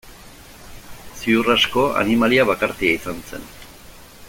Ziur asko animalia bakartia izan zen.